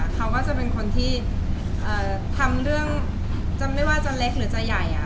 เขาก็จะเป็นคนที่ทำเรื่องจะไม่ว่าจะเล็กหรือจะใหญ่